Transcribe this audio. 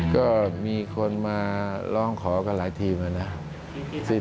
ก็มีคนมาร้องขอกันหลายทีมนะครับ